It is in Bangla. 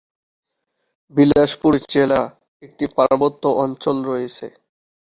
বিলাসপুর জেলা একটি পার্বত্য অঞ্চল রয়েছে।